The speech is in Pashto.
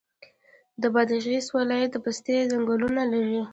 بادغیس ولې د پستې ځنګلونه لري؟